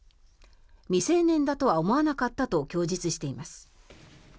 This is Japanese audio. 未成年だとは思わなかったと供述しています。